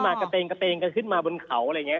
ก็ขึ้นมากระเตงก็ขึ้นมาบนเขาอะไรอย่างนี้